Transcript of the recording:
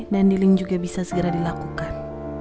dan diling juga bisa segera dilakukan